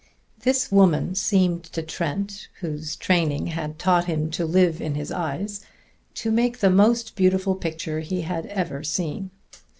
This woman seemed to Trent, whose training had taught him to live in his eyes, to make the most beautiful picture he had ever seen.